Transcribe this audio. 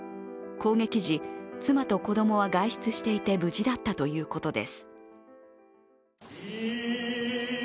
攻撃時、妻と子供は外出していて無事だったということです。